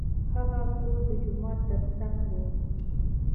هغه کور د جومات تر څنګ و.